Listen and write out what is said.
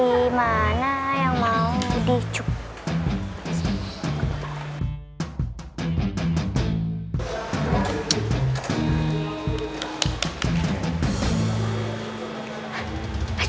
kamera yang ke cruise ttip tentunya tante tante